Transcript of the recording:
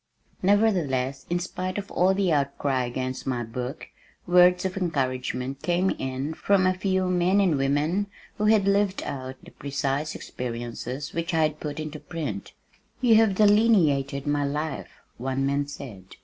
Nevertheless, in spite of all the outcry against my book, words of encouragement came in from a few men and women who had lived out the precise experiences which I had put into print. "You have delineated my life," one man said.